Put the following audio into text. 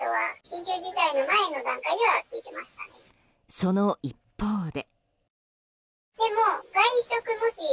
その一方で。